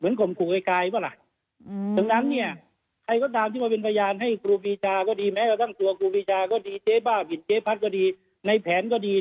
นะคะว่าใครเขาไปเป็นพยานจะต้องท้ามกำในแผนได้ไหมอะไรอย่างเงี้ย